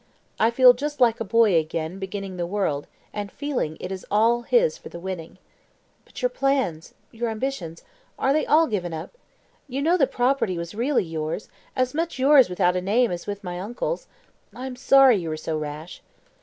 I feel just like a boy again beginning the world, and feeling it is all his for the winning." "But your plans your ambitions are they all given up? You know the property was really yours as much yours without a name as with my uncle's. I am sorry you were so rash."